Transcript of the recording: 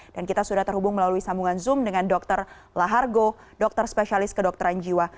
dan kita sudah terhubung melalui sambungan zoom dengan dr lahargo dokter spesialis kedokteran jiwa